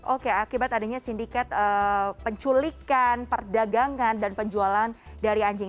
oke akibat adanya sindikat penculikan perdagangan dan penjualan dari anjing